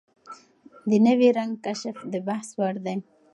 د نوي رنګ کشف د بحث وړ دی.